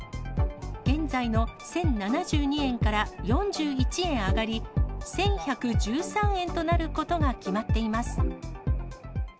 現在の１０７２円から４１円上がり、１１１３円となることが決まっています。